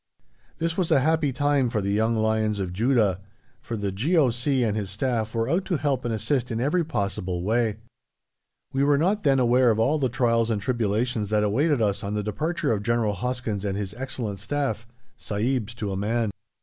This was a happy time for the young lions of Judah, for the G.O.C. and his staff were out to help and assist in every possible way. We were not then aware of all the trials and tribulations that awaited us on the departure of General Hoskins and his excellent staff sahibs to a man.